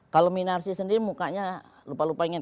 kalau minarsi sendiri mukanya lupa lupa ingat